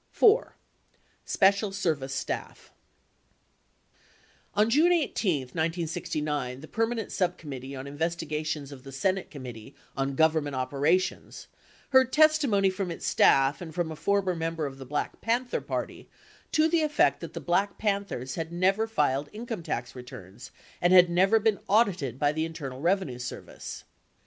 {If) Special Service Staff On June 18, 1969, the Permanent Subcommittee on Investigations of the Senate Committee on Government Operations heard testimony from its staff and from a former member of the Black Panther Party to the effect that the Black Panthers had never filed income tax returns and had never been audited by the Internal Revenue Service.